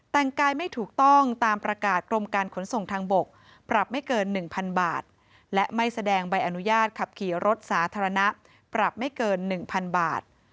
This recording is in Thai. แต่งกายไม่ถูกต้องตามประกาศกรมการขนส่งทางบกปรับไม่เกิน๑๐๐๐บาทและไม่แสดงใบอนุญาตขับขี่รถสาธารณะปรับไม่เกิน๑๐๐๐บาท